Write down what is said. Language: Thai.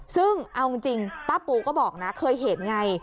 ซึ่งเอาจริงป้าปูก็บอกนะเคยเห็นไง